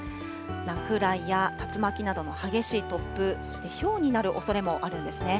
落雷や竜巻などの激しい突風、そしてひょうになるおそれもあるんですね。